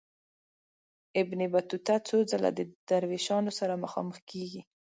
ابن بطوطه څو ځله د دروېشانو سره مخامخ کیږي.